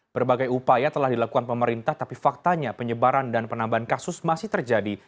berbagai upaya telah dilakukan pemerintah tapi faktanya penyebaran dan penambahan kasus masih terjadi